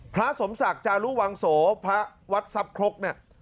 พระสมศักดิ์จารุวังโสพระวัดทรัพย์ครกเนี่ย